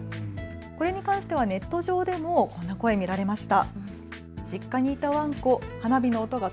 これに関してはネット上でもこんな声、見られました。